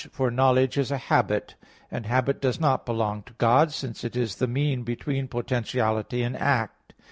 For knowledge is a habit; and habit does not belong to God, since it is the mean between potentiality and act.